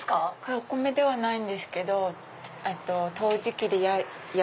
お米ではないんですけど陶磁器で。